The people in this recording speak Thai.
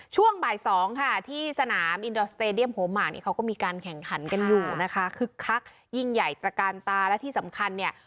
ช่วงบ่ายสองค่ะที่สนามอินดอร์สเตดียมหัวหมากนี่เขาก็มีการแข่งขันกันอยู่นะคะคึกคักยิ่งใหญ่ตระกาลตาและที่สำคัญเนี่ย